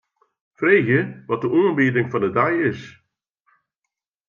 Freegje wat de oanbieding fan 'e dei is.